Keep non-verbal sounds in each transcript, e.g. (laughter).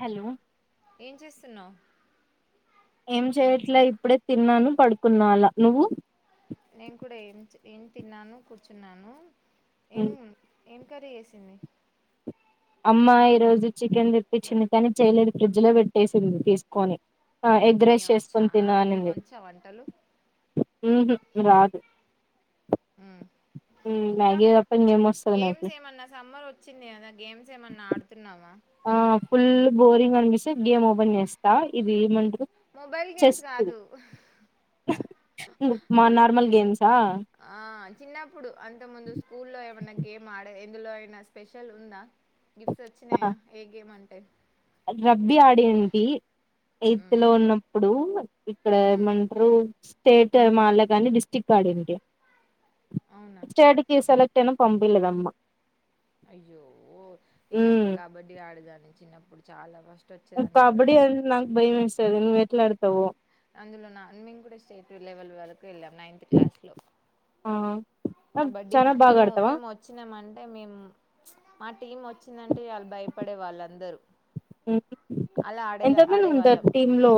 Hello ఏం చేస్తున్నావు ఏం చేయట్లే ఇప్పుడే తిన్నాను పడుకున్నా అలా నువ్వు నేను కూడా ఏం ఏం తిన్నాను కూర్చున్నాను ఉ ఏం ఏం కర్రీ చేసింది అమ్మా ఈ రోజు చికెన్ తెప్పించింది కానీ చేయలేదు ఫ్రిడ్జ్ లో పెట్టేసింది తీసుకొని ఆ ఎగ్ నీ రైస్ వచ్చా చేసుకుని తిను నీకు అనింది వచ్చా వంటలు ఉహు రాదు ఉ ఇంకా మ్యాగీ తప్ప ఇంకేం వస్తది నాకు గేమ్స్ ఏమన్నా సమ్మర్ వచ్చింది కదా గేమ్స్ ఏమన్నా ఆడుతున్నావా ఆ ఫుల్ బోర్ బోరింగ్ అనిపిస్తే గేమ్ ఓపెన్ చేస్తా ఇది ఏమంట మొబైల్ చెస్ గేమ్స్ కాదు మా నార్మల్ గేమ్సా ఆ ఆ చిన్నప్పుడు అంత ముందు స్కూల్లో ఏమన్నా గేమ్ ఆడ ఎందులో అయినా స్పెషల్ ఉందా గిఫ్ట్స్ వచ్చినాయా ఏ గేమ్ అం ఎ రబ్బీ ఆడింటి ఎయిత్ ఉమ్, లో ఉన్నప్పుడు ఇక్కడ ఉమ్, ఏమంటారు స్టేట్ ఏం ఆడలే కాని డిస్టిక్ట్ ఆడింటి అవునా స్టేట్ కి సెల టెన్నమ్ పంపిలేదు అమ్మా అయ్యో నేనైతే హ్మ్ కబడ్డీ ఆడదాన్నీ చిన్నప్పు ఇప్పుడు చాలా కష్ట కబడ్డీ అంటే నాకు భయం వేస్తాది నువ్వు ఏట్లా అడుతవో అందులో నాన్ మింగ్ కూడా స్టేట్ లెవెల్ వరకు వెళ్ళాం నైన్త్ క్లాస్ లో ఆ కబడ్డీ చానా బాగా మేము ఆడతావా మేము వచ్చినామంటే అంటే మేము మా టీం వచ్చిందంటే అంటే వాళ్లు భయపడే వాళ్ళందరూ హ్మ్. అలా ఆడేది ఎంతమంది ఉంటారు ఆడేవాళ్ళం టీమ్ లో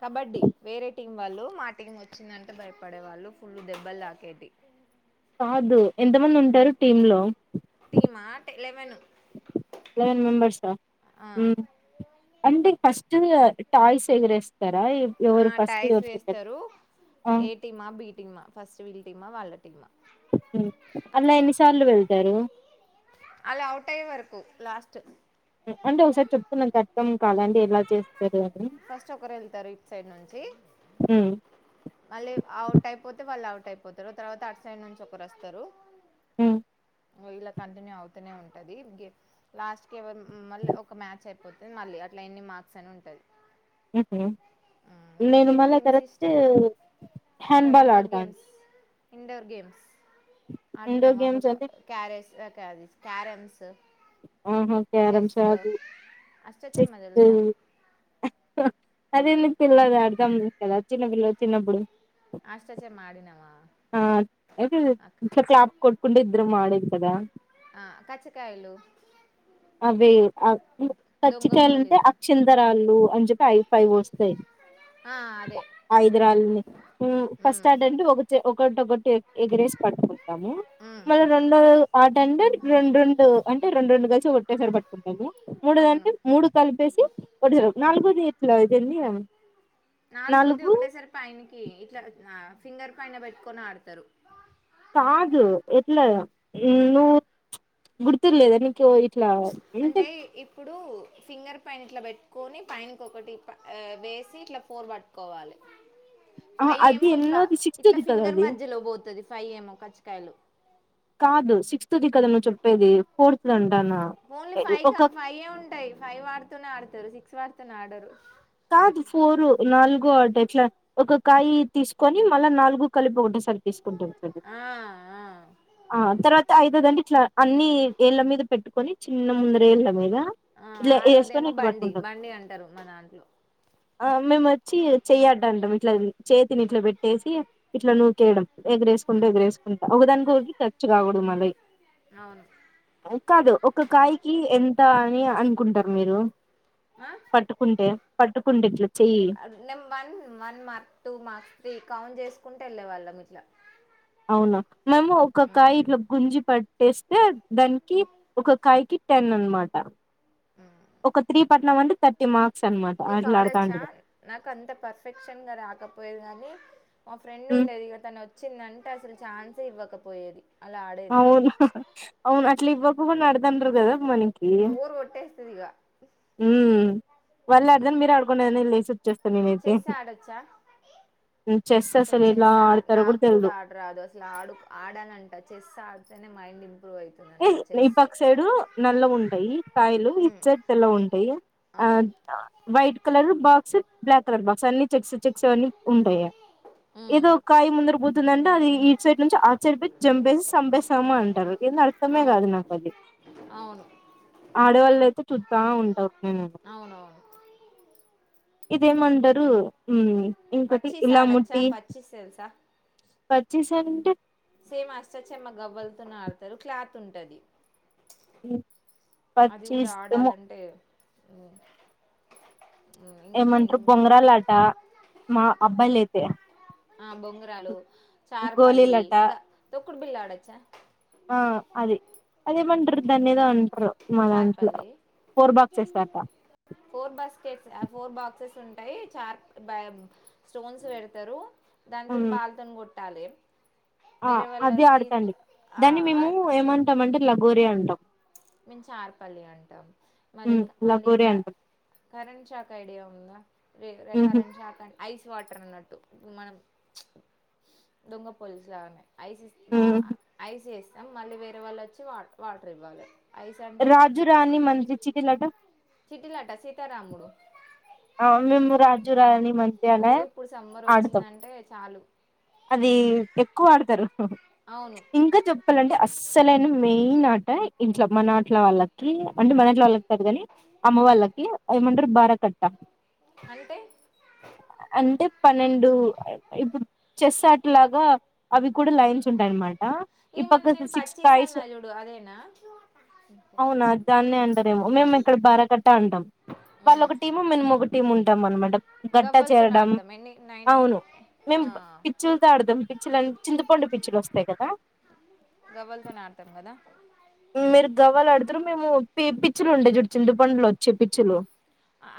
కబడ్డీ వేరే టీ వాళ్ళు మాటీం వచ్చిందంటే భయపడే వాళ్ళు ఫుల్లు దెబ్బలు తాకేటి కాదు ఎంత మంది ఉంటారు. టీమ్ లో లెవెను లెవెన్ మెంబెర్స్ ఆ అంటే ఫస్ట్ టాయ్స్ ఎగ్రెస్ ఆ టాయ్స్ వేస్తారు ఆ ఏ టీమా, బి టీమా, ఫస్ట్ వీళ్ళ టీమా, వాళ్ళ టీమా. తారు అలా అవుట్ అయ్యే వరకు లాస్ట్ అంటే ఒకసారి చెప్తున్నా కటఖం కాలాండి ఎలా చేస్ ఫస్ట్ ఒకరు ఏళ్తారు ఇట్ సైడ్ నుంచి హ్మ్ మళ్ళీ అవుట్ అయిపోతే వాళ్ళు అవ్ అయిపోతారు. తర్వాత అటు సైడ్ నుంచి ఒకరు వస్తరు. ఉహ్ ఇలా కంటిన్యూ అవుతూనే ఉంటది. గే లాస్ట్ కేవర్ హు మళ్ళీ ఒక మ్యాచ్ అయిపోతే మళ్ళీ అట్లా ఎన్ని మార్క్స్ అని ఉంటది. హుహు నేను ఇంకేం మళ్ళా గేమ్స్ తరత్తు ఇష్టం ఇంకా హ్యాండ్బాల్ ఇండోర్ అడ్తాన్ గేమ్స్ ఇండోర్ గేమ్స్ అది గేమ్స్ నావబుక అంటే క్యారేస్ క్యావిస్ క్యారంసు ఆహా క్యారామ్స్ రాదు. అష్టచమ్మ చేస్తతే తెలుసా అదే నీకు పిల్లదా ఆడదాం కదా చిన్నపిల్లలు చిన్నప్పుడు అష్టచేమ ఆడినమా ఆ (inaudible) ఇట్లా క్లాప్ కొట్టుకుంటూ ఇద్దరం ఆడేది కదా ఆ కచ్చకాయలు అవే అవ్ దొంగ పచ్చికయాలుంటే పోలీసా అక్షిందరాలు అన్ జెపే ఐ ఫైవ్ వస్తాయ్. ఆ అదే ఐద్రల్ని హు ఉమ్ ఫస్ట్ ఆడేంటూ ఒకట్ ఒకట ఒకటి ఎగరేసి పట్టుకో తము ఉమ్ మరి రెండో రోజు ఆడ్ సండర్డ్ రొండ్ రొండు అంటే రొండ్రోడు కలిసి ఒకట్టేసారి బట్టుకొంటుందా అవును మూడుదంటే మూడు కలిపేసి ఓటిసర్వ్ నాలుగోది ఇట్ల జనీయం నాలుగోది ఒకటేసరి పైనికి ఇట్లా దా ఫింగర్ పైన బొట్టుకొని ఆడతారు కాదు ఎట్లాయా ఏ నువ్వు గుర్తిర్లేదా నీక్ తో ఇట్లా అంటే ఏంటేన్ ఇప్పుడు ఫింగర్ ఫైన ఇట్లా బెట్టుకొని పైనకి ఒకటి వేసి ఇట్లా ఫోర్ బట్టుకోవాలి. ఫై అది యేమో ఇట్లా, ఎన్నోది ఇట్లా సిక్స్త్ది కదా ఫింగర్ అది మధ్యలో పోతది ఫై యేమో కచ్చకయలు తుది కదా నువ్వు చెప్పేది ఫార్త్ దండ్ ఓన్లీ ఫై కా ఫైయే ఉంటాయి. ఫైవ్ ఆడుతూనే ఆడతారు. సిక్స్ వార్ తున్నాడారు కాదు ఫోర్ నాలుగోట్ ఎట్లా ఒక కాయి తీసుకొని మళ్ళా నాలుగు కాలిపోకట్ ఒకటే సారి తీసుకుంటారు కదా ఆ ఆ తరువాత ఐదవధి ఇట్లా అన్ని ఏళ్ళ మీద పెట్టుకొని చిన్న ముందరేళ్ళ మీద ఆ ఇట్లా వేసుకని ఆరోదేమో ఇట్లా బండి పట్టుకుంటంది బండి అంటారు మా దాంట్లో ఆ మేము వచ్చి చేయ్యడ అంటాం ఇట్లా చేతిని ఇట్లా పెట్టేసి ఇట్లా నూకేయడం ఎగరేసుకుంట ఉమ్ ఎగేకుంటా ఒకదాని హోగి టచ్ కాకూడదు మళ్ళీ అవును కాదు ఒక కాయకి ఎంత అని అనుకుంటారు మీరు పట్టుకుంటే పట్టుకుంటే చెయ్యి నే one one mark two mark three count చేస్త కుంటే ఎలే వాళ్ళం ఇట్ల అవునా మేము ఒక కాయ ఇట్లా గుంజి పట్టేస్తే దానికి ఒక కాయకి టెన్ అనమాట ఒక త్రీ పట్నం అంటే థర్టీ మార్క్స్ అనమాట నీకు అట్లా ఆడతా ఆడొచ్చా ఉంటది నాకు అంత పర్ఫెక్షన్ గా రాకపోయది కాగాని మా ఫ్రెండ్ ఉండేది తను వ వచ్చిందంటే అసలు ఛాన్సే ఇవ్వకపోయేది అలా ఆడేది అవున అవున అట్లా ఇవా (unintelligible) మనకి బోర్ కొట్టేస్తుంది ఇక ఊ వాళ్ళు ఉమ్ ఆడదని మీరు ఆడుకునేని లేసి వచ్చేస్తాను నేనైతే చెస్ ఆడొచ్చా చెస్ అసలు ఇలా చెస్ ఆ ఆడతారో కూడా నాకు తెలిదు ఆడరాదు అసలు ఆడు ఆడాలంట చెస్ ఆడ్తేనే మైండ్ ఇంప్రూవ్ అవుతుందంట ఈ చెస్ పక్క సైడు నల్ల ఉంటాయి కాయలు ఈ ఉమ్ సైడ్ తెల్ల ఉంటాయి ఆ అవును white colour box black colour box అన్ని చెక్స్ చెక్స్ అవన్నీ ఉంటయ ఉమ్ ఇదో కాయి ముందరపు అతుందంటే అది ఈ సైడ్ నుంచి ఆ సైడ్ ప జంపేసి సంబేేశామ అంటారు ఇష్టమే అవును కాదు నాకు అది అవును ఆడేవాళ్ళ అయితే చు చా ఉంటావు అవునవును ఇదే మండరు ఉ ఇంకోటి పచ్చీస్ ఆడచ్చా ఇలాముటి పచ్చీస్ తెలుసా పచ్చిసన్ అ సేమ్ అష్టా చమ్మా గవ్వలుతోనే ఆడతారు క్లాత్ ఉంటది అ అది కూడా ఆడాలంటే ఏ ఏమంటారు బొంగరాల ఆట మా అబ్బాయిలు అయితే ఆ బొంగరాలు గోలీలు చార్పల్లి ఆట ఇంకా తొక్కుడు బిల్ ఆడొచ్చా ఆ అది అదేమంటారు దాన్ని ఏదో అంటారు మా చార్ దాంట్లో పల్లి ఫోర్ బాక్సెస్ అట ఫోర్ బాస్కెట్స్ ఫోర్ బాక్సెస్ ఉ ాయి చార్ బ స్టోన్స్ పెడతారు దానితో బాల్ తోని కొట్ట కొట్టాలే ఆ అది ఆడతండి దాన్ని మేము ఆ, ఏమంటామంటే లగోరి అంటాం మేము చార్పల్లి అంటాం మరి ఉమ్ మళ్ళీ లగోరి క అంటాం కరెంట్ షాక్ ఐడియా ఉందా ఉహు కరెంట్ షాక్ అ ఐ వాటర్ అన్నట్టు మనం దొంగ పోలీస్ లాగానే ఐసఎస్ మా ఉమ్ ఐసఎస్ మళ్ళీ వేరే వాళ్ళు వచ్చి వా వాటర్ ఇవ్వాలే రాజు రాణి మంత్రి చిట్టి లడ్డు చిట్టి లాట సీతారాముడు అ మేము రాజు రాణీ ఓ మంచిగానే ఇప్పుడు సమ్మర్ ఆడుతాం వచ్చిందంటే చాలు అది ఎక్కువ ఆడుతారు హు అవును ఇంకా చెప్పాలంటే ఆ అస్సలైన మెయిన్ ఆట ఇంట్ల మనఆట్ల వాళ్ళకి అంటే మనఅట్లా వాళ్ళకి కాదు కాని అమ్మ వాళ్ళకి ఏమంటారు బార కట్ (inaudible) అంటే అంటే పన్నెండు ఇప్పుడు చెస్ ఆటలాగా అవి కూడా లైన్స్ ఉంటాయ అన్నమాట ఆ ఈ మన ఇపక్క నేను సిక్స్ పచ్చిస్ టాయ్స్ అన్నా చూడు అదేనా అవునా దాన్ని అంటారేమో మేము ఇక్కడ బారకట్ట అంటాం వాళ్ళ ఉమ్. ఒక టిము ఉంటాం అన్నమాట గట్ట గవ్వలతో చేరడం ఆడతాం ఎన్ని నైన్ అవును మేము పిచ్చులు తో ఆడుతాం పిచ్చుల చింతపండు పిచ్చులు వస్తాయి కదా గ్వలతోనే ఆడతాం కదా మీరు గవ్వలు ఆడుతారు మేము పి పిచ్చులు ఉండే చూడు చింతపండు వచ్చే పిచ్చులు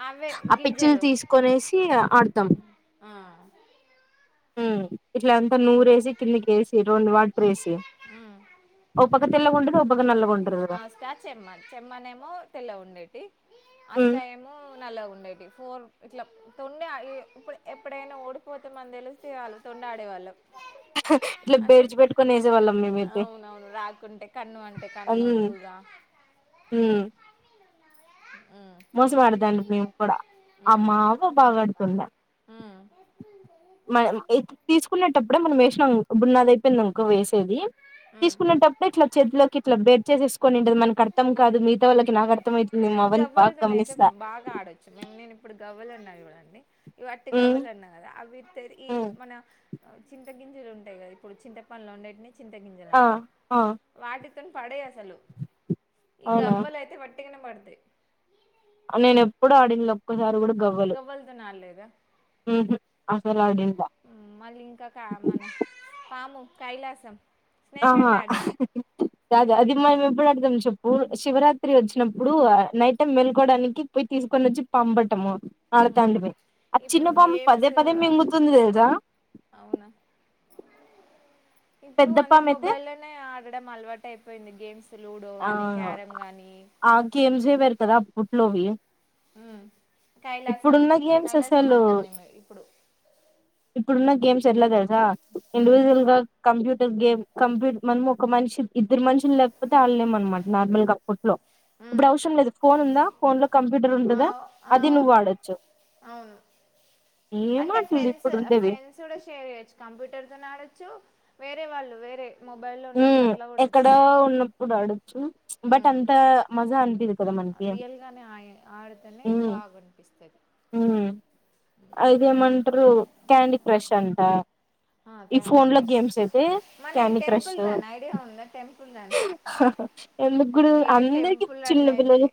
అవే ఆ పిచ్చిలు గింజలు తీసుకొనేసి ఆడతాం ఆ హు ఇలా అంతా నోరేసి కింద ఎసి రెండు వాటర్ వేసి ఒ తెల్లగా ఉంటే పో అష్టాచెమ్మా చిమ్మనేమో తెల్ల ఉండేటి అస్త ఉమ్ ఏమ నల్లాగా ఉండేటి ఫోన్ ఇట్లా తొండ ఇప్పుడు ఎప్పుడైనా ఓడిపోతే మనం తెలిస్త వాళ్ళు తొండి ఆడేవాళ్ళు ఇట్లా బేడ్చి పెెట్టుకొని వేసేవాళ్ళం మేమయితే అవునవును రాకుంటే కన్ను అంటే అ కన్ను దూగా తిని ఉమ్ మోస పెడదాండి మేము కూడా ఆమ్ ఉమ్ మావ బాగాడుతుందిం ఉమ్ మన తీసుకునేటప్పుడే మనం వేసినా బున్నాది అయిపోయింది ఇంకో వేసేది ఉమ్ తీసుకునేప్పుడుే ఇట్లా చెదులోకి ఇట్ బేర్ చేేసుని ఉండది మన అర్ం కాదు మగత వాళ్కి నాకు అర్థం అయింది గవ్వలతోన అయితే బాగా ఆడొచ్చుే నేను ఇప్పుడు గవ్వలు అన్న ఇ అ ఇవట్టి ఉమ్ గవ్వలు అన్నా కదా అవి ఈ ఉమ్ మన చింత గింజులు ఉంటాయి కదా ఇప్పుడు చింత పనులు ఉండేటని చింత గింజల ఆ అంటాం ఆ వాటి పడే అసలు ఈ అవునా గవ్వలు అయితే పట్ అంత నేను ఎప్పుడు ఆడిన ఒక్కసారి కూడా గవ్వలు గవ్వలుతో నాాడలేదా ఉహు అసలు ఆడిండ్ల మళ్ళీ ఇంకా కా మన పాము కైలాసం స్నేక్ ఆహా అండ్ యాడర్ అద అది మ చెప్పు ఆడతాం చెప్పు శివరాత్రి వచ్చినప్పుడు నైట్ టైం వెలుకోవడానికి పోయి తీసుకొని వచ్చి పంపటము ఆల తండపై ఆ చిన్న ఇప్పుడు పాము పదే గేమ్స్ పదే మింగుతుంది తెలుసా అవునా ఇప్పుడు పెద్ద అందరు పాము అయితే మొబైల్లోనే ఆడడం అలవాటు అయిపోయింది గేమ్స్ లూడో ఆ గానీ క్యారమ్ గానీ ఆ గేమ్స్ే పెరుతుదా ఉట్లో భయ ఉమ్ కైలాసం ఇప్పుడున్న గేమ్స్ కైలాసం అసలు అంటాం మేము ఇప్పుడు ఇప్పుడున్న గేమ్స్ ఎలా తెలుసా ఉమ్ ఇండివిజువల్ గా కంప్యూట గేమ్ కంప్యూ మనం ఒక మనిషి ఇద్దరు మనుషు లేకపోతే వాళ్ళలేం అనమాట నార్మల్ గా ఫుట్లో ఉమ్ ఇప్పుడు అవసరం లేదు ఫోన్ ఉందా ఫోన్ లో కంప్యూటర్ ఉండదా అవ్ అది నువ్వు అవును వాడొచ్చు అవును చె అంటే ఫ్రెండ్స్ ఆ ఫ్రెండ్స్ కూడా షేర్ చేయొచ్చు కంప్యూటర్తోను ఆడొచ్చు వేరే వాళ్ళు వేరే మొబైల్లో నుంచి ఉమ్ అట్లా కూడా ఎక్కడో పెట్టుకో ఉన్నప్పుడు ఆడొచ్చు బట్ అంత మజా అనిపియదూ రియల్ గానే ఆ ఆడితేనే ఉమ్ బాగా అనిపిస్తుది ఐదే మంటారు క్యాండీ క్రష్ అంట ఆ ఈ క్యాండీ ఫోన్ లో గేమ్స్ అయితే క్యాండీ క్రష్ దా ఐడియా ఉంద టెంపుల్ రన్ ఎందుకు కూడా ఏ అందరికి టెంపుల్ రన్ చిన్న అయితే పిల్లలు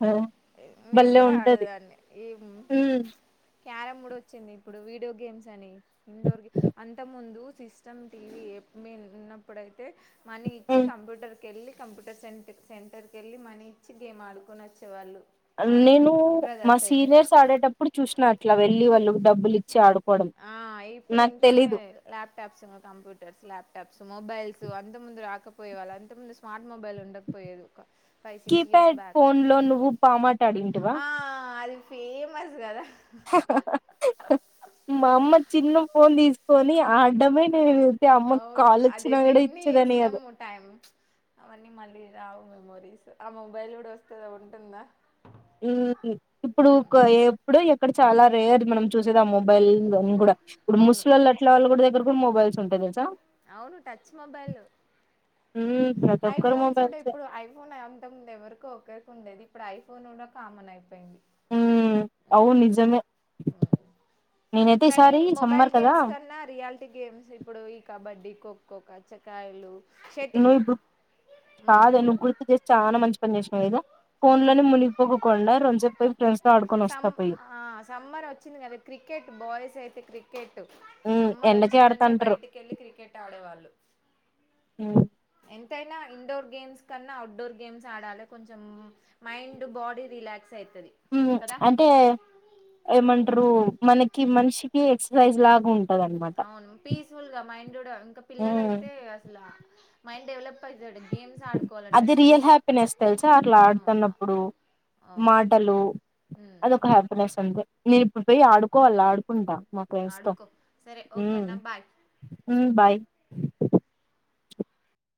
నేను భలే కూడా ఉంటది ఆడేదాన్ని ఈ హ్మ్. క్యారంమ్ కూడా వచ్చింది ఇప్పుడు వీడియో గేమ్స్ అని ఇండోర్ గేమ్ అంత ముందు సిస్టమ్ టీవీ (unintelligible) ఉన్నప్పుడైతే మనీ ఇచ్చి హ్మ్. కంప్యూటర్ కంప్యూటర్ సె సెంటర్ కి వెళ్ళి మనీ ఇచ్చి గేమ్ ఆడుకుని వచ్చే వాళ్ళు నేను మా సీనియర్స్ ఆడేటప్పుడు చూసిన అట్లా వెళ్ళి వాళ్ళు డబులు ఆ ఇప్పుడు ఇంట్లోనే ల్యాప్టాప్స్ (unintelligible) కంప్యూటర్స్ ల్యాప్ (unintelligible) మొబైల్స్ అంత ముందు రాకపోయ వాళ్ళు అంత ముందు స్మార్ట్ మొబైల్ ఉండకపోయదు ఫైవ్ సిక్స్ ఇయర్స్ బ్యాక్ అడింటివా ఆ అది ఫేమస్ కదా మా అమ్మ చిన్ను ఫోన్ తీ కొని ఆడ్డమే నేను అవును అదైతే ఇన్ని గాదు. చేసినాము టైం అవన్నీ మళ్ళీ రావు మేము (unintelligible) ఆ మొబైల్ కూడా వస్తుందా ఉంటుందా ఇప్పుడు (unintelligible) ఎప్పుడు ఇక్కడ చాలా రేర్ మనం చూసేదాము (unintelligible) కూడా ఇప్పుడు అవును ముస్ళ్లు అట్ల వాళ్ళు కూడా దగ్గర మొబైల్స్ంటా తెలుసా అవును టచ్ మొబైల్ హ్మ్. ప్రతి ఒక్కరు ఐఫోన్స్ కూడా మొబైల్సే. ఇప్పుడు ఐఫోన్ (unintelligible) ఎవరికో ఒక ఉండేది ఇప్పుడు ఐఫోన్ కూడా కామన్ అయిపోయింది హ్మ్. అవును నిజమే. నేనైతే కానీ ఈసారి మొబైల్ సమ్మర్ గేమ్స్ కదా కన్నా రియాలిటీ గేమ్స్ ఇప్పుడు ఈ కబడ్డీ కో కో కచ్చకాయలు షటిల్ నువ్వు ఇప్పు ఉమ్, కాదె నువ్వు గుర్తు చేసి చాల మంచి పనిచేసినావు కదా ఫోన్ ఉమ్. లోనే ముగిపోక కుండా రెండు పోయి ఫ్రెండ్స్తో సమ్ ఆ సమ్మర్ వచ్చింది కదా క్రికెట్ బాయ్స్ అయితే క్రికెట్ ఎ త్ ఉమ్ సమ్మర్ ఎండకే వచ్చిందంటే ఆడతంటారు బయటికి వెళ్ళి క్రికెట్ ఆడేవాల్ ఉమ్ ఎంతైన ఇండోర్ గేమ్స్ కన్నా అవుట్డోర్ గేమ్స్ ఆడాలి కొంచెం మైండ్ బాడీ రిలాక్స్ అవుతుంది డిమ్ కదా అంటే ఏమ ట్రు మనకి మనిషికి ఎక్ససైజ్ లాగ ఉంటంది అవును పీస్ఫుల్ గా మైండ్ చూడ ఇంకా పిల్లల అయితే అసలు మైండ్ డెవలప్ అవుతాడు గేమ్స్ ఆడుకోవాలంట అది స్టడీ రియల్ హ్యాపీనెస్ తెల్సా అట్లా అవును ఆడుతున్నప్పుడు అవును మాటలు ఉమ్, అదిొ ఒక హ్యాపీనెస్ ఉంది నేను ఇప్పుడు పోయి ఆడుకోవాల్ల ఆడుకుంటా మాకు ఇష్టం ఆడుకో సరే ఓకేనా బాయ్ బాయ్